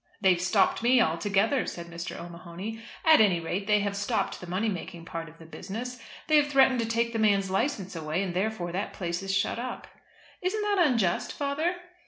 "They've stopped me altogether," said Mr. O'Mahony. "At any rate they have stopped the money making part of the business. They have threatened to take the man's license away, and therefore that place is shut up." "Isn't that unjust, father?"